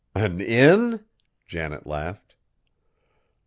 "An inn?" Janet laughed.